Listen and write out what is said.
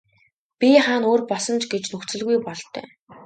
Бие хаа нь өөр болсон ч гэж нөхцөлгүй бололтой.